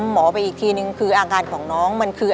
หมอไปอีกทีนึงคืออาการของน้องมันคือ